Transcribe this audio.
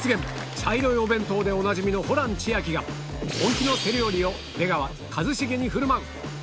茶色いお弁当でおなじみのホラン千秋が本気の手料理を出川一茂に振る舞う！